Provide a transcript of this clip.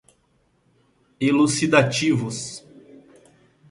elucidativos